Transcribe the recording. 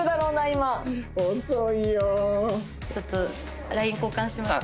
ちょっとＬＩＮＥ交換しましょ。